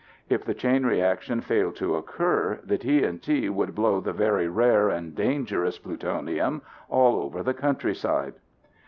If the chain reaction failed to occur, the TNT would blow the very rare and dangerous plutonium all over the countryside.